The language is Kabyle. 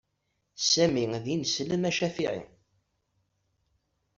Sami d ineslem acafiɛi.